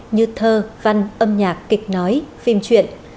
như thơ văn âm nhạc kịch nói phim chuyện